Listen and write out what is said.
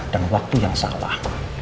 dan waktu yang salah